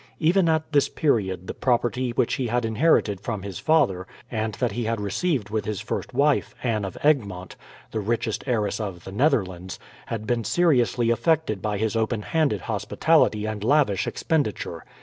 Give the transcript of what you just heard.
Even at this period the property which he had inherited from his father, and that he had received with his first wife, Anne of Egmont, the richest heiress of the Netherlands, had been seriously affected by his open handed hospitality and lavish expenditure.